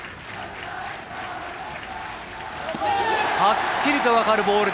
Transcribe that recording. はっきりと分かるボール。